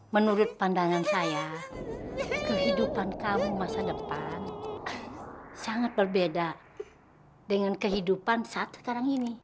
menurut pandangan saya kehidupan kamu masa depan sangat berbeda dengan kehidupan saat sekarang ini